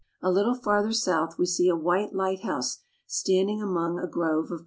A little farther south we see a white lighthouse stand ing among a grove of.